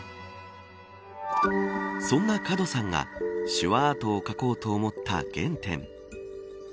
そんな門さんが手話アートを描こうと思った原点